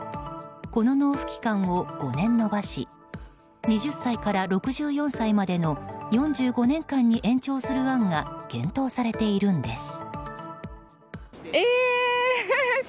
この納付期間を５年延ばし２０歳から６４歳までの４５年間に延長する案が検討されているんです。